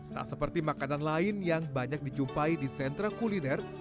tak seperti makanan lain yang banyak dijumpai di sentra kuliner